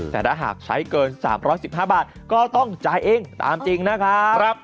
แต่ถ้าหากใช้เกิน๓๑๕บาทก็ต้องจ่ายเองตามจริงนะครับ